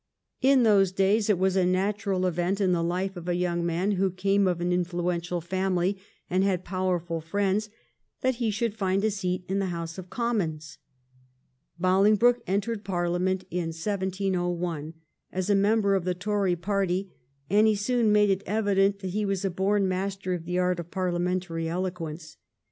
In those days it was a natural event in the life of a young man who came of an influential family and had powerful friends that he should find a seat in the House of Commons. Bolingbroke entered Parliament in 1701, as a member of the Tory party, and he soon made it evident that he was a born master of the art of parliamentary eloquence.